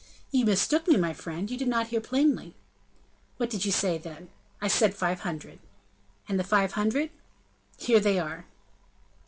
"You mistook me, my friend; you did not hear plainly." "What did you say, then?" "I said five hundred." "And the five hundred?" "Here they are."